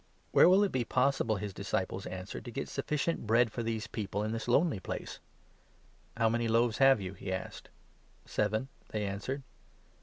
" Where will it be possible," his disciples answered, "to get 4 sufficient bread for these people in this lonely place ?"" How many loaves have you ?" he asked. 5 "Seven," they answered.